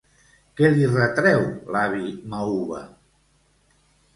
Què li retreu l'avi Mauva?